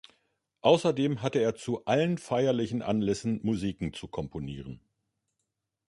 Außerdem hatte er zu allen feierlichen Anlässen Musiken zu komponieren.